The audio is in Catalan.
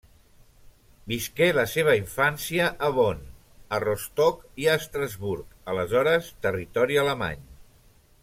Visqué la seva infància a Bonn, a Rostock i a Estrasburg, aleshores territori alemany.